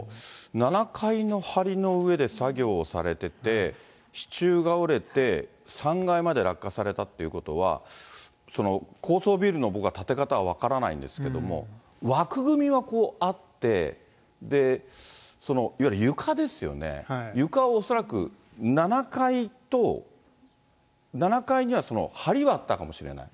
７階のはりの上で作業をされてて、支柱が折れて、３階まで落下されたっていうことは、高層ビルの、僕は建て方、分からないんですけども、枠組みはあって、いわゆる床ですよね、床を恐らく、７階と、７階にはそのはりはあったかもしれない。